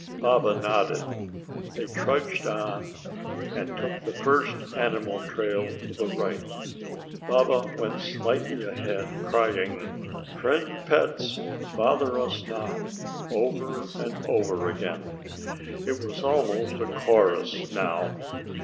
Baba nodded. They trudged on and took the first animal trail to the right. Baba went slightly ahead, crying "Friend pets, bother us not!" over and over again. It was almost a chorus now.